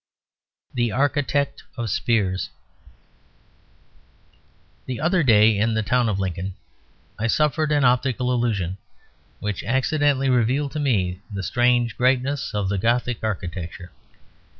THE ARCHITECT OF SPEARS The other day, in the town of Lincoln, I suffered an optical illusion which accidentally revealed to me the strange greatness of the Gothic architecture.